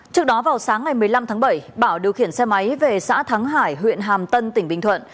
trước đó vào sáng ngày một mươi năm tháng bảy bảo điều khiển xe máy về xã thắng hải huyện hàm tân tỉnh bình thuận